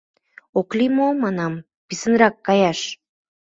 — Ок лий мо, — манам, — писынрак каяш?